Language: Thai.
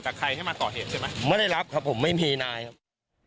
ใครให้มาก่อเหตุใช่ไหมไม่ได้รับครับผมไม่มีนายครับ